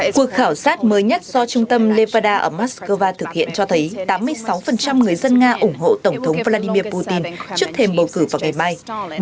cuộc khảo sát mới nhất do trung tâm nevada ở moscow thực hiện cho thấy tám mươi sáu người dân nga ủng hộ tổng thống vladimir putin trước thêm bầu cử vào ngày mai